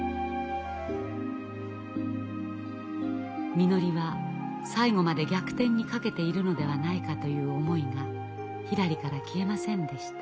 みのりは最後まで逆転に賭けているのではないかという思いがひらりから消えませんでした。